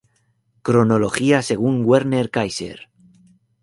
Cronología según Werner Kaiser.